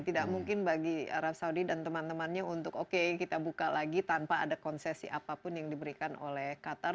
tidak mungkin bagi arab saudi dan teman temannya untuk oke kita buka lagi tanpa ada konsesi apapun yang diberikan oleh qatar